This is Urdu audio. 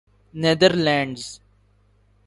neither lands